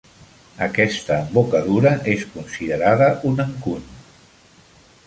Aquesta embocadura és considerada un encuny.